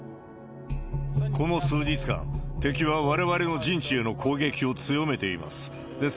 この数日間、敵はわれわれの陣地への攻撃を強めています。